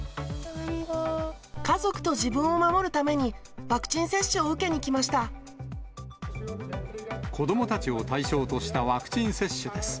家族と自分を守るために、子どもたちを対象としたワクチン接種です。